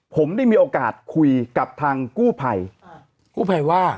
ผมได้มีโอกาสคุยกับทางกู้ภัยกู้ภัยว่า